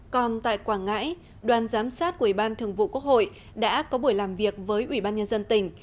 còn tại quảng ngãi đoàn giám sát của ủy ban thường vụ quốc hội đã có buổi làm việc với ủy ban nhân dân tỉnh